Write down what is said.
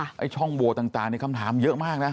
ไอ้ช่องโหวตต่างนี่คำถามเยอะมากนะ